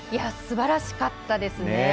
すばらしかったですね。